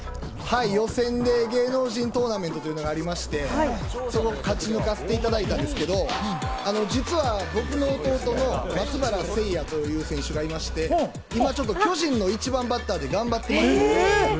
予選で芸能人トーナメントというのがありまして、勝ち抜かせていただいたんですけど、実は僕の弟の松原聖弥という選手がいまして、今、ちょっと巨人の１番バッターで頑張ってるんです。